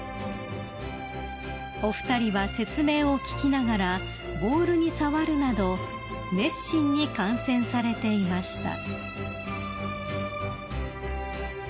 ［お二人は説明を聞きながらボールに触るなど熱心に観戦されていました］